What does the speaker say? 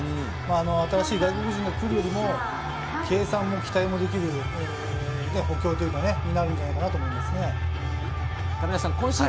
新しい外国人が来るよりも、計算も期待もできる補強になるんじゃないかと思いますね。